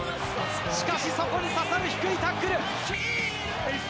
しかし、そこに刺さる低いタックル。